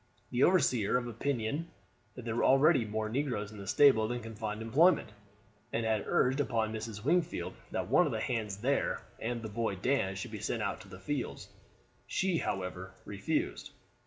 The overseer was of opinion that there were already more negroes in the stable than could find employment, and had urged upon Mrs. Wingfield that one of the hands there and the boy Dan should be sent out to the fields. She, however, refused.